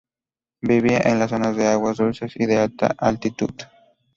Vivía en zonas de aguas dulces y de alta altitud.